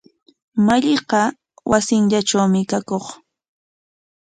Malliqa wasinllatrawmi kakuq.